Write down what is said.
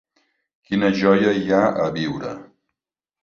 Quina joia hi ha a viure.